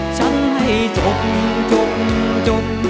ฉันให้จบจบ